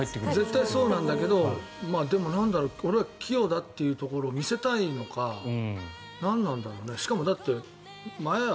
絶対そうなんだけどでも、なんだろう俺は器用だというところを見せたいのか、なんなんだろうねしかも前足？